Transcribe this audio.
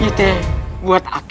ini buat aku